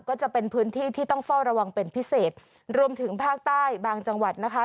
ก็จะเป็นพื้นที่ที่ต้องเฝ้าระวังเป็นพิเศษรวมถึงภาคใต้บางจังหวัดนะคะ